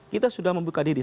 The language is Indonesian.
kita sudah membuka diri